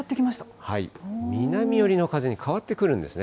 南寄りの風に変わってくるんですね。